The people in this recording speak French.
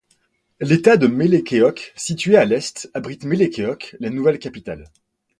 L'État de Melekeok, situé à l'est, abrite Melekeok, la nouvelle capitale.